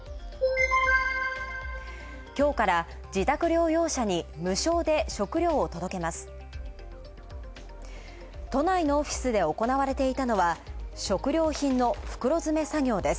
きょうから自宅療養者に無償で食料を届けます。